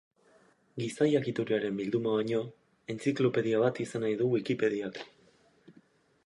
Giza jakituriaren bilduma baino, entziklopedia bat izan nahi du Wikipediak.